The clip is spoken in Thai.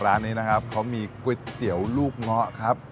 ร้านนี้เขามีก๋วยเตี๋ยวลูกง้อครับ